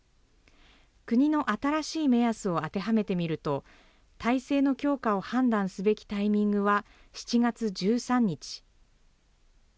国の新しい目安を当てはめてみると、体制の強化を判断すべきタイミングは７月１３日。